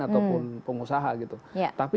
ataupun pengusaha gitu tapi